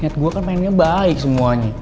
niat gue kan mainnya baik semuanya